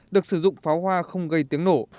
được sử dụng pháo hoa không gây tiếng nổ